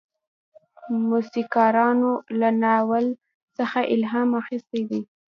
موسیقارانو له ناول څخه الهام اخیستی دی.